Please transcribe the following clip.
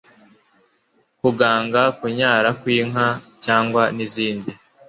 kuganga kunyara kw'inka cyangwa n'izindi